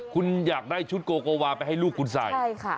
คุณอยากได้ชุดโกโกวาไปให้ลูกคุณใส่ใช่ค่ะ